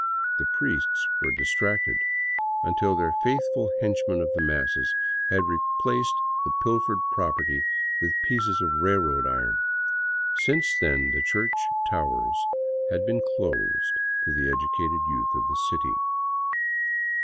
The priests were distracted — until their faithful hench men of the masses had replaced the pilfered property with pieces of railroad iron. Since then the church towers had been closed to the educated youth of the city.